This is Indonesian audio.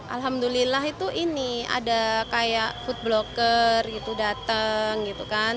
alhamdulillah itu ini ada kayak food blocker gitu datang gitu kan